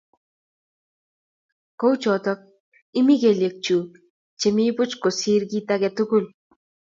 Kouyotoku, iimi kelyek chuk chemi buch kosir kit ake tukul